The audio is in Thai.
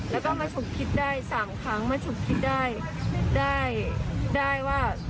แล้วก็มาชุดคิดได้สามครั้งมาชุดคิดได้ได้ได้ว่า